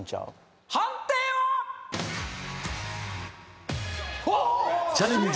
判定はチャレンジ